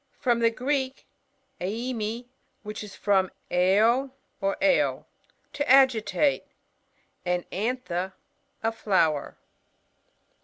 — From the Greek etemi, which is from ae6 or ad, to agitate, and anlhe^ a flower.